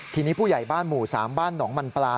ทีนี้ผู้ใหญ่บ้านหมู่๓บ้านหนองมันปลา